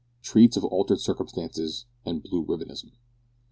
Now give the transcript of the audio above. TREATS OF ALTERED CIRCUMSTANCES AND BLUE RIBBONISM.